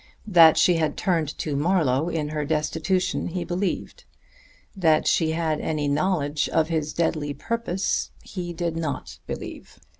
That she had turned to Marlowe in her destitution he believed; that she had any knowledge of his deadly purpose he did not believe.